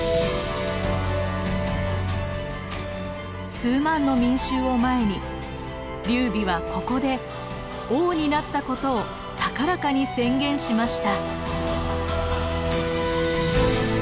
数万の民衆を前に劉備はここで王になったことを高らかに宣言しました。